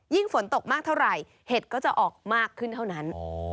ฝนตกมากเท่าไหร่เห็ดก็จะออกมากขึ้นเท่านั้น